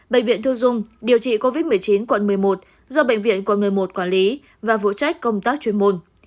bệnh viện thu dung điều trị covid một mươi chín quận một mươi một do bệnh viện quận một mươi một quản lý và vụ trách công tác chuyên môn